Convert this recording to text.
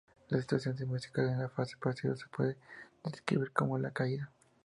La situación musical en la fase posterior se puede describir como la caída.